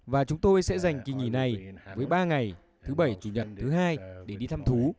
và chúng tôi sẽ dành kỳ nghỉ này với ba ngày thứ bảy chủ nhật thứ hai để đi thăm thú